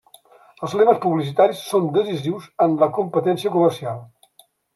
Els lemes publicitaris són decisius en la competència comercial.